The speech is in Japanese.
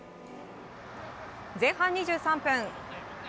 前半２３分。